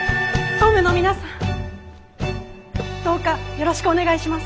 総務の皆さんどうかよろしくお願いします。